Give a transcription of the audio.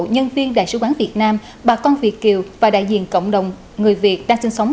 nhân viên đại sứ quán việt nam bà con việt kiều và đại diện cộng đồng người việt đang sinh sống